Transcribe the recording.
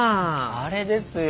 あれですよ。